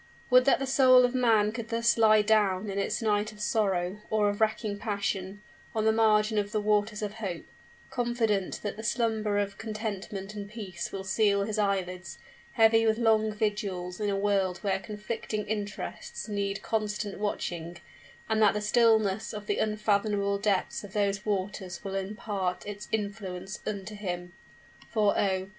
Would that the soul of man could thus lie down in its night of sorrow or of racking passion, on the margin of the waters of hope, confident that the slumber of contentment and peace will seal his eyelids, heavy with long vigils in a world where conflicting interests need constant watching, and that the stillness of the unfathomable depths of those waters will impart its influence unto him! For, oh!